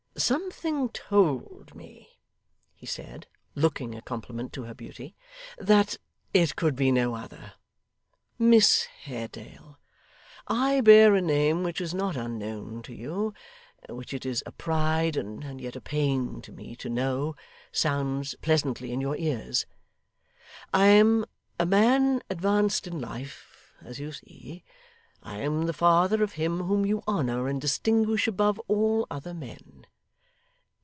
'Something told me,' he said, LOOKING a compliment to her beauty, 'that it could be no other. Miss Haredale, I bear a name which is not unknown to you which it is a pride, and yet a pain to me to know, sounds pleasantly in your ears. I am a man advanced in life, as you see. I am the father of him whom you honour and distinguish above all other men.